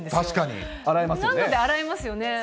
確かに、洗いますよね。